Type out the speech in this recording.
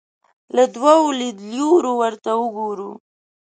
له دوو لیدلوریو ورته وګورو